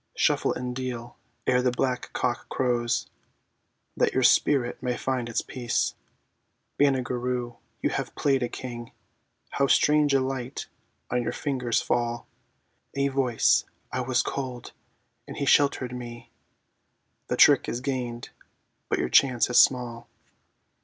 Shuffle and deal ere the black cock crows, That your spirit may find its peace. Banagher Rhue, you have played a king; (How strange a light on your fingers fall!) A voice, "I was cold, and he sheltered me ..." The trick is gained, but your chance is small.